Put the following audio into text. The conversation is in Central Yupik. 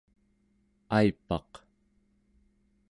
aipaq